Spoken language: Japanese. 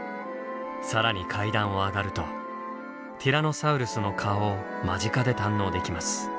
更に階段を上がるとティラノサウルスの顔を間近で堪能できます。